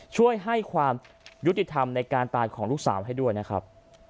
ช่วยให้ความยุติธรรมในการตายของลูกสาวให้ด้วยนะครับ